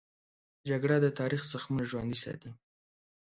جګړه د تاریخ زخمونه ژوندي ساتي